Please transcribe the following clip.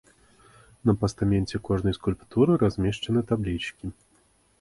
На пастаменце кожнай скульптуры размешчаны таблічкі.